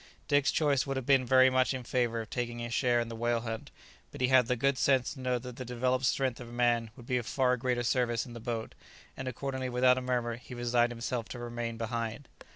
Dick's choice would have been very much in favour of taking a share in the whale hunt, but he had the good sense to know that the developed strength of a man would be of far greater service in the boat, and accordingly without a murmur he resigned himself to remain behind.